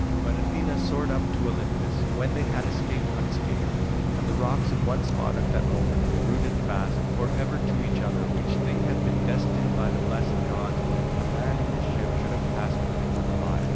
But Athena soared up to Olympus, when they had escaped unscathed. And the rocks in one spot at that moment were rooted fast for ever to each other, which thing had been destined by the blessed gods, when a man in his ship should have passed between them alive.